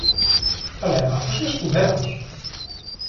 Καλέ αυτός είναι σπουδαίος!